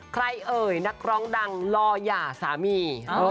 ใครเอ๋ยนักร้องดังล่อย่าสามี